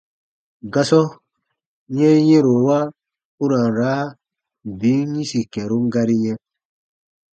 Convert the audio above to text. Gasɔ yɛnyɛ̃rowa u ra n raa bin yĩsi kɛ̃run gari yɛ̃.